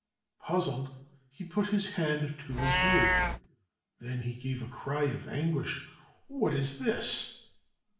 Puzzled, he put his hand to his beard. Then he gave a cry of anguish. "What is this?